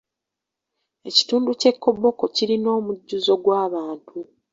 Ekitundu ky'e Koboko kirina omujjuzo gw'abantu.